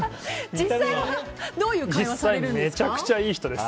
実際はめちゃくちゃいい人です。